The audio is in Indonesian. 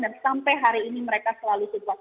dan sampai hari ini mereka selalu support